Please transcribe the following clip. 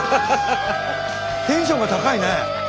テンションが高いね！